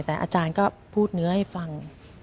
แต่อาจารย์ก็พูดเนื้อให้ฟัง